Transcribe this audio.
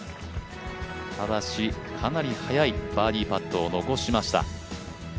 ただし、かなり速いバーディーパットを残しました。